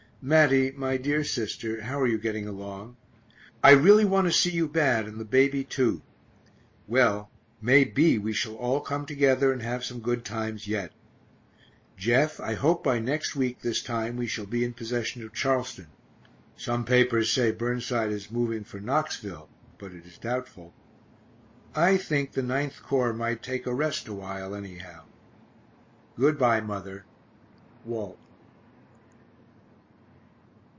Matty, my dear sister, how are you getting along? I really want to see you bad, and the baby too well, may be we shall all come together and have some good times yet. Jeff, I hope by next week this time we shall be in possession of Charleston some papers say Burnside is moving for Knoxville, but it is doubtful I think the 9th Corps might take a rest awhile, anyhow. Good bye, mother. WALT.